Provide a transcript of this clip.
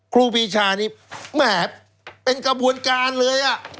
ครูปีชานี่แหมเป็นกระบวนการเลย